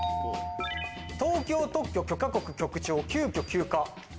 東京特許許可局局長急遽休暇。